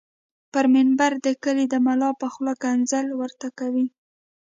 پر منبر د کلي دملا په خوله ښکنځل ورته کوي